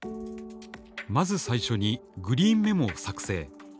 まず最初にグリーンメモを作成。